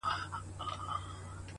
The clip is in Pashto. • سترگي دي پټي كړه ويدېږمه زه؛